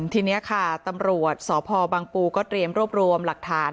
ทีนี้ค่ะตำรวจสพบังปูก็เตรียมรวบรวมหลักฐาน